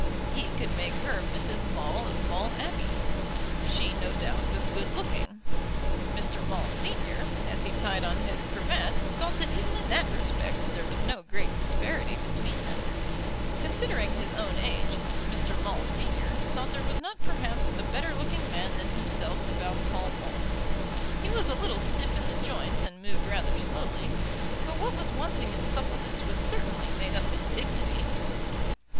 He could make her Mrs. Maule of Maule Abbey. She, no doubt, was good looking. Mr. Maule, Senior, as he tied on his cravat, thought that even in that respect there was no great disparity between them. Considering his own age, Mr. Maule, Senior, thought there was not perhaps a better looking man than himself about Pall Mall. He was a little stiff in the joints and moved rather slowly, but what was wanting in suppleness was certainly made up in dignity.